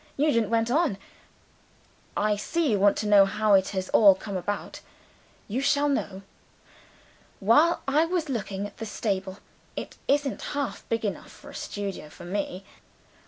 Nugent went on. "I see you want to know how it has all come about. You shall know. While I was looking at the stable (it isn't half big enough for a studio for Me!)